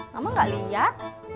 kamu gak liat